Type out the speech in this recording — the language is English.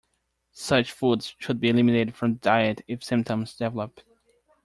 Such foods should be eliminated from the diet if symptoms develop.